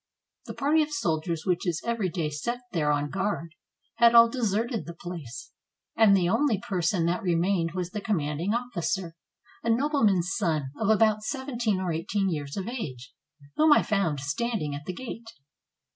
The party of soldiers, which is every day set there on guard, had all deserted the place, and the only person that remained was the commanding officer, a noble man's son, of about seventeen or eighteen years of age, whom I found standing at the gate.